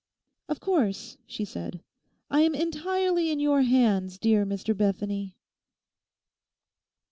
'Of course,' she said, 'I am entirely in your hands, dear Mr Bethany.